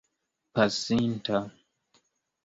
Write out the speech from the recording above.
pasinta